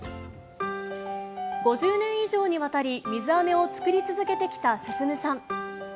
５０年以上にわたり水あめを作り続けてきた晋さん。